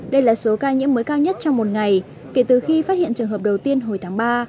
đây là số ca nhiễm mới cao nhất trong một ngày kể từ khi phát hiện trường hợp đầu tiên hồi tháng ba